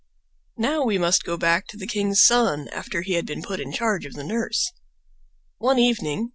Now we must go back to the king's son after he had been put in charge of the nurse. One evening.